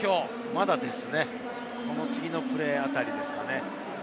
まだですね、この次のプレーあたりですかね。